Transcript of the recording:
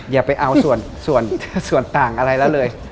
อย่าไปเอาส่วนต่างอะไรแล้วเลย